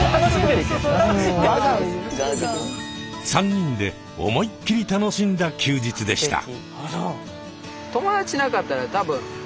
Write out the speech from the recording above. ３人で思いっきり楽しんだ休日でした。